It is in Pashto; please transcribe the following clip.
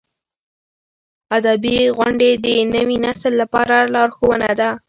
ادبي غونډې د نوي نسل لپاره لارښوونه ده.